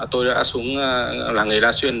tôi đã xuống làng nghề la xuyên